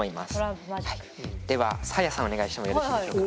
ではサーヤさんお願いしてもよろしいでしょうか？